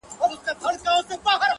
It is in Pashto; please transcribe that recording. د رنځونو ورته مخ صورت پمن سو٫